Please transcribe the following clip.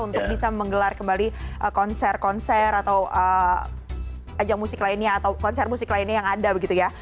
untuk bisa menggelar kembali konser konser atau ajang musik lainnya atau konser musik lainnya yang ada begitu ya